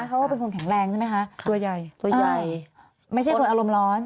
เขาก็เป็นคนแข็งแรงใช่ไหมคะตัวใหญ่ตัวใหญ่ไม่ใช่คนอารมณ์ร้อน